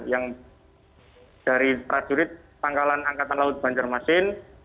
yang dari prajurit pangkalan angkatan laut banjarmasin